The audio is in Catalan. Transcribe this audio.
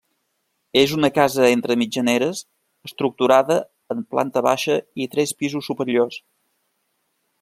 És una casa entre mitjaneres estructurada en planta baixa i tres pisos superiors.